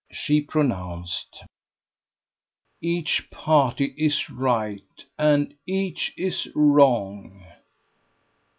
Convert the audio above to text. She pronounced: "Each party is right, and each is wrong."